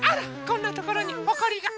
こんなところにほこりが。